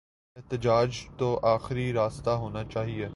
احتجاج تو آخری راستہ ہونا چاہیے۔